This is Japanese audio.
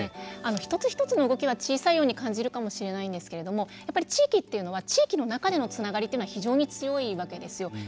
一つ一つの動きは小さいように感じるかもしれないんですけど地域というのは地域の中でのつながりというのは非常に強いわけですよ。